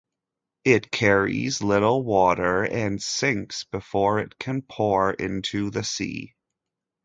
It carries little water and sinks before it can pour into the sea.